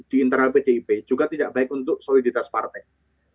di internal pdip juga tidak baik untuk soliditas partai